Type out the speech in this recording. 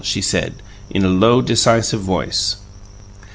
she said, in a low, decisive voice.